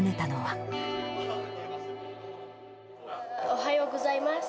おはようございます。